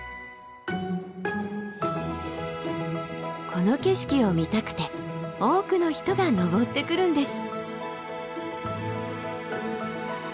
この景色を見たくて多くの人が登ってくるんです。